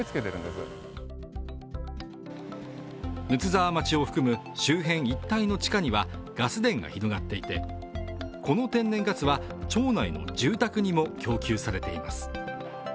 睦沢町を含む周辺一帯の地下にはガス田が広がっていてこの天然ガスは町内の住宅にも供給されています。